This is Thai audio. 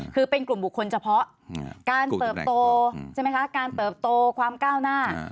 คือเป็นกลุ่มบุคคลเฉพาะการเติบโตใช่ไหมคะการเติบโตความก้าวหน้า